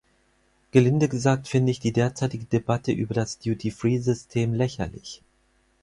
Gelinde gesagt finde ich die derzeitige Debatte über das Duty-Free-System lächerlich.